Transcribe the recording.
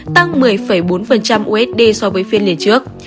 tăng một mươi bốn usd so với phiên liền trước